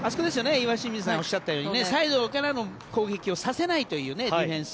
岩清水さんがおっしゃったようにサイドからの攻撃をさせないというディフェンス。